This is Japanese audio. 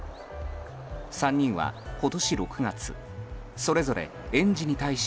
３人は今年６月それぞれ園児に対し